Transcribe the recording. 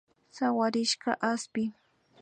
Sawarishka aspi